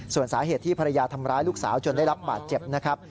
ส่วนสาเหตุที่ภรรยาทำร้ายลูกสาวจนได้รับบาดเจ็บนะครับ